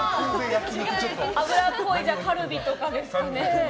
脂っこい、カルビとかですかね。